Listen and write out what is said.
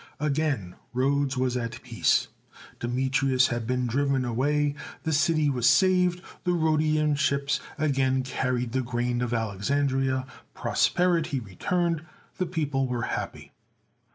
Again Rhodes was at peace. Demetrius had been driven away ; the city was saved ; the Rhodian ships again carried the grain of Alexandria ; pros perity returned; the people were happy.